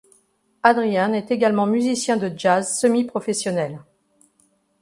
Adrian est également musicien de jazz semi-professionnel.